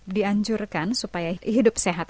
dianjurkan supaya hidup sehat